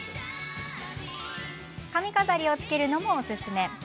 髪飾りをつけるのもおすすめです。